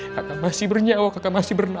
kakak masih bernyawa kakak masih bernama